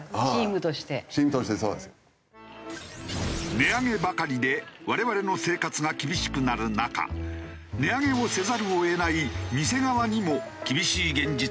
値上げばかりで我々の生活が厳しくなる中値上げをせざるを得ない店側にも厳しい現実が。